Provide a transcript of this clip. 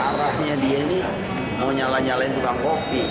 arahnya dia ini mau nyala nyalain tukang kopi